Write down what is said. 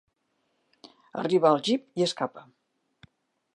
Arriba al jeep i escapa.